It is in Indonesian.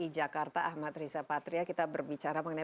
tapi tetaplah bersama kami kita akan segera kembali